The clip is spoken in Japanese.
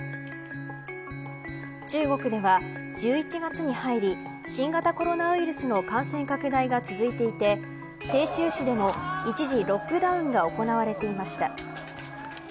中国では、１１月に入り新型コロナウイルスの感染拡大が続いていて鄭州市でも、一時ロックダウンが行われていました。